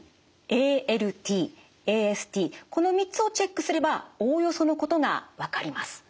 この３つをチェックすればおおよそのことが分かります。